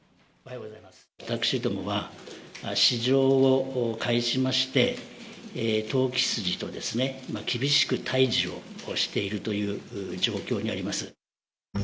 私どもは、市場を介しまして、投機筋と厳しく対じをしているという状況にあります。